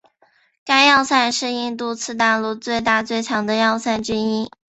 该要塞是印度次大陆最大最强的要塞之一。